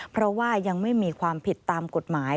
เพราะว่ายังไม่มีความผิดตามกฎหมาย